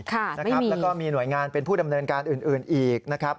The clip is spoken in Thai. แล้วก็มีหน่วยงานเป็นผู้ดำเนินการอื่นอีกนะครับ